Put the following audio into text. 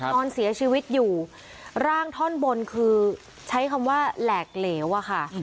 นอนเสียชีวิตอยู่ร่างท่อนบนคือใช้คำว่าแหลกเหลวอะค่ะ